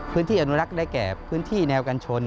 พื้นที่อนุรักษ์ได้แกบพื้นที่แนวกันชน